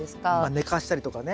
寝かしたりとかね。